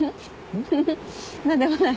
フフ何でもない。